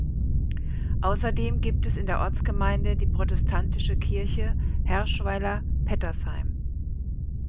Außerdem gibt es in der Ortsgemeinde die protestantische Kirche Herschweiler-Pettersheim.